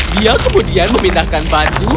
dia kemudian memindahkan batu